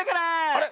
あれ？